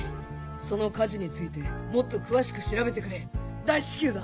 その火事についてもっと詳しく調べてくれ大至急だ！